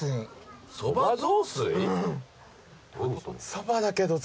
そばだけど雑炊？